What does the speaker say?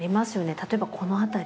例えばこの辺り。